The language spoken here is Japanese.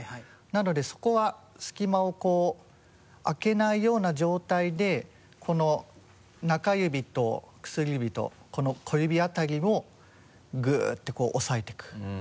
なのでそこは隙間をこう開けないような状態でこの中指と薬指とこの小指辺りをグッて押さえていく。